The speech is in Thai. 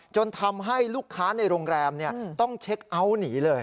จนทำให้ลูกค้าในโรงแรมต้องเช็คเอาท์หนีเลย